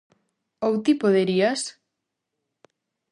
Ou ti poderías?